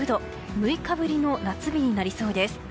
６日ぶりの夏日になりそうです。